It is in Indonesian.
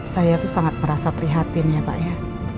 saya itu sangat merasa prihatin ya pak ya